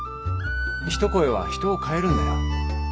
一声は人を変えるんだよ。